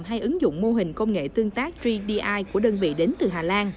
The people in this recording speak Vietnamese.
hay ứng dụng mô hình công nghệ tương tác ba di của đơn vị đến từ hà lan